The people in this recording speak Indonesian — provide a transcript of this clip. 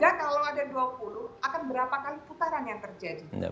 salah satu alasan kenapa kita mengadakan